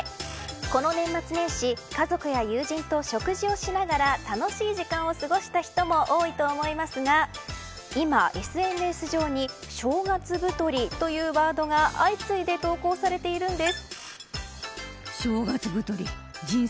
この年末年始、家族や友人と食事をしながら楽しい時間を過ごした人も多いと思いますが今、ＳＮＳ上に正月太りというワードが相次いで投稿されているんです。